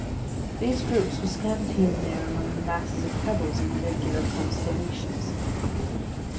These groups were scattered here and there among the masses of pebbles in irregular constellations.